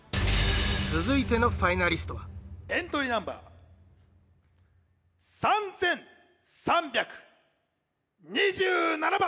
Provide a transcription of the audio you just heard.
続いてのファイナリストはエントリーナンバー３３２７番